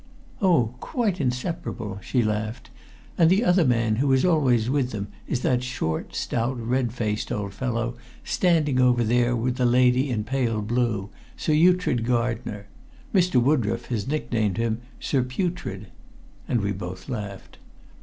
"Oh, quite inseparable!" she laughed. "And the other man who is always with them is that short, stout, red faced old fellow standing over there with the lady in pale blue, Sir Ughtred Gardner. Mr. Woodroffe has nicknamed him 'Sir Putrid.'" And we both laughed.